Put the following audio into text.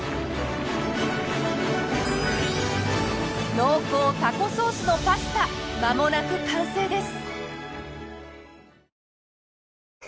濃厚タコソースのパスタまもなく完成です！